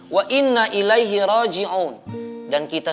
dan kita semuanya